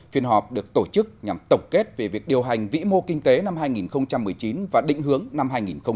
phiên họp được tổ chức nhằm tổng kết về việc điều hành vĩ mô kinh tế năm hai nghìn một mươi chín và định hướng năm hai nghìn hai mươi